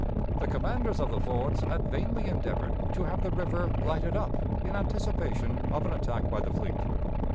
The commanders of the forts had vainly endeavored to have the river lighted up in anticipation of an attack by the fleet.